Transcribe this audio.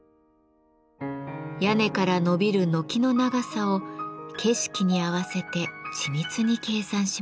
屋根からのびる軒の長さを景色に合わせて緻密に計算しました。